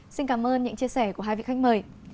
xin cảm ơn những chia sẻ của hai vị khách mời